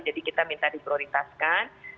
jadi kita minta diprioritaskan